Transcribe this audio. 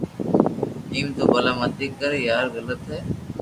ايم تو ڀلا متي ڪر يار غلط ھي